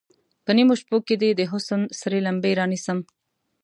په نیمو شپو کې دې، د حسن سرې لمبې رانیسم